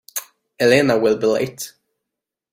Elena will be late.